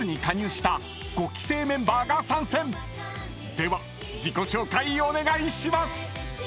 ［では自己紹介お願いします！］